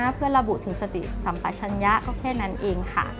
เพื่อระบุถึงสติสัมปัชญะก็แค่นั้นเองค่ะ